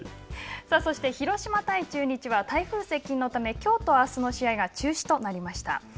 そして広島対中日は台風接近のため、きょうとあすの試合が中止となりました。